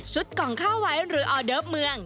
ชุดกล่องข้าวไหวหรือออเดอร์เมือง